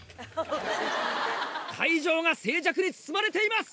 会場が静寂に包まれています！